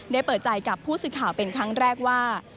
เปิดใจกับผู้สื่อข่าวเป็นครั้งแรกว่า